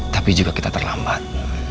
tapi juga kita terlambat